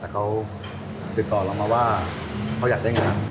แต่เขาติดต่อเรามาว่าเขาอยากได้งาน